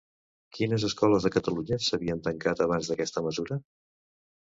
Quines escoles de Catalunya s'havien tancat abans d'aquesta mesura?